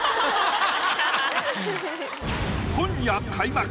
今夜開幕！